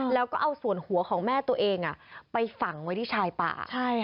แล้วก็เอาส่วนหัวของแม่ตัวเองไปฝังไว้ที่ชายป่า